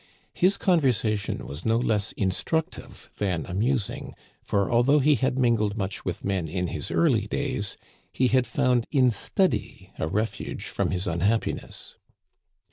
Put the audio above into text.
His conversation was no less instructive than amusing ; for, although he had mingled much with men in his early days, he had found in study a refuge from his unhappiness.